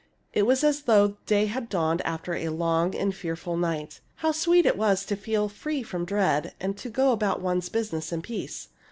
It was as though day had dawned after a long and fearful night. How sweet it was to feel free from dread, and to go about one's business in peace